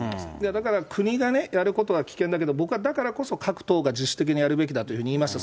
だから、国がやることは危険だけど、僕はだからこそ各党が自主的にやるべきだというふうに言いました。